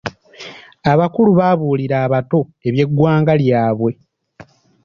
Abakulu babuulira abato eby'eggwanga lyabwe.